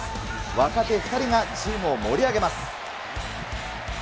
若手２人がチームを盛り上げます。